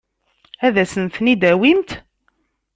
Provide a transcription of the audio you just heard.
Ad asen-ten-id-tawimt?